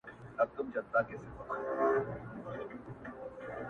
راجګ شه د کوترو همکلامه، محبته!!